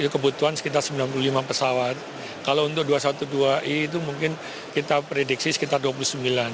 kebutuhan sekitar sembilan puluh lima pesawat kalau untuk dua ratus dua belas i itu mungkin kita prediksi sekitar dua puluh sembilan